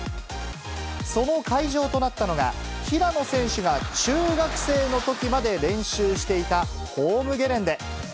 その会場となったのが、平野選手が中学生のときまで練習していたホームゲレンデ。